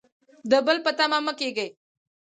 د بل په تمه مه کیږئ